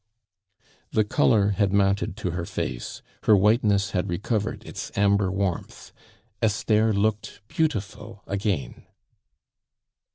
The color had mounted to her face, her whiteness had recovered its amber warmth. Esther looked beautiful again.